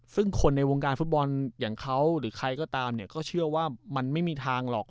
ซึ่งคนในวงการฟุตบอลอย่างเขาหรือใครก็ตามเนี่ยก็เชื่อว่ามันไม่มีทางหรอก